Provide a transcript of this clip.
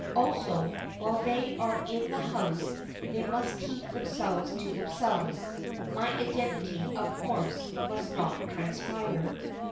Also, while they are in the house, they must keep themselves to themselves. My identity, of course, must not transpire.